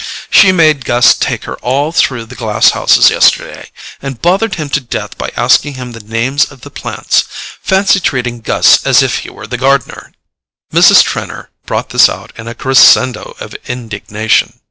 She made Gus take her all through the glass houses yesterday, and bothered him to death by asking him the names of the plants. Fancy treating Gus as if he were the gardener!" Mrs. Trenor brought this out in a CRESCENDO of indignation.